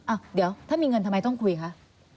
อ้าวเดี๋ยวถ้ามีเงินทำไมต้องคุยคะ